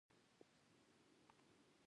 مضامين او افسانې ډرامې او ترجمې يې هم کړې دي